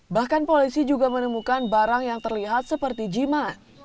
bahkan polisi juga menemukan barang yang terlihat seperti jima